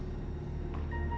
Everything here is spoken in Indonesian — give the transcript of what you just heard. tentang apa yang terjadi